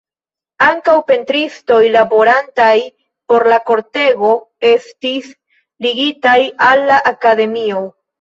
Ankaŭ pentristoj laborantaj por la kortego estis ligitaj al la akademio.